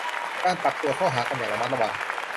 การปรับตัวเข้าหากันอย่างระมัดระวัง